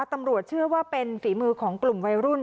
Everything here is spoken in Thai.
ตำรวจเชื่อว่าเป็นฝีมือของกลุ่มวัยรุ่น